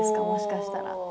もしかしたら。